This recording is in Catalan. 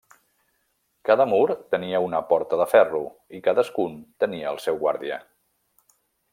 Cada mur tenia una porta de ferro, i cadascun tenia el seu guàrdia.